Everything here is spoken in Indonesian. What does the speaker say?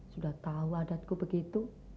sudah tahu adatku begitu